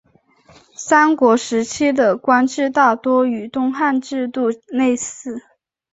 三国时期的官制大多与东汉制度类似。